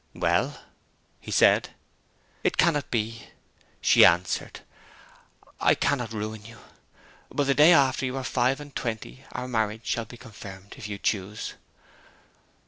'Well?' said he. 'It cannot be,' she answered. 'I cannot ruin you. But the day after you are five and twenty our marriage shall be confirmed, if you choose.'